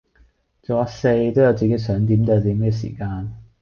做呀四都有自己想點就點既時間